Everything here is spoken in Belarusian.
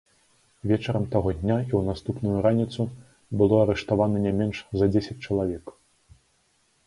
Вечарам таго дня і ў наступную раніцу было арыштавана не менш за дзесяць чалавек.